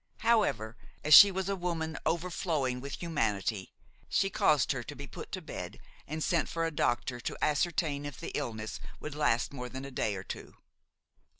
However, as she was a woman overflowing with humanity, she caused her to be put to bed and sent for a doctor to ascertain if the illness would last more than a day or two.